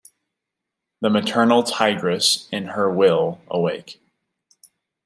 The maternal tigress in her will awake.